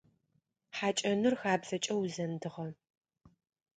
Хьакӏэныр хабзэкӏэ узэндыгъэ.